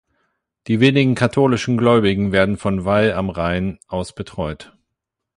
Die wenigen katholischen Gläubigen werden von Weil am Rhein aus betreut.